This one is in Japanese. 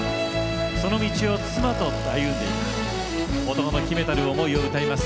その道を妻と歩んでいく男の秘めたる思いを歌います。